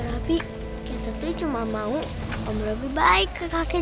om robi kita tuh cuma mau om robi baik ke kakek jaki